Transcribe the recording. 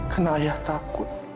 karena ayah takut